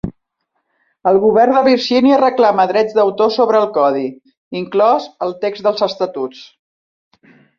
El govern de Virgínia reclama drets d'autor sobre el Codi, inclòs el text dels estatuts.